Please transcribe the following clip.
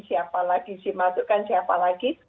siapa lagi dimasukkan siapa lagi